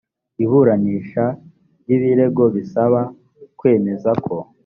iburanisha ry ibirego bisaba kwemeza ko